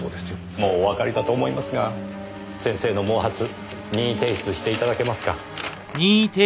もうおわかりかと思いますが先生の毛髪任意提出していただけますか。